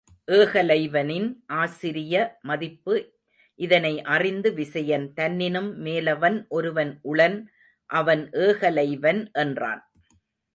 ஏகலைவனின் ஆசிரிய மதிப்பு இதனை அறிந்து விசயன் தன்னினும் மேலவன் ஒருவன் உளன் அவன் ஏகலைவன் என்றான்.